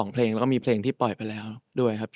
เพลงแล้วก็มีเพลงที่ปล่อยไปแล้วด้วยครับ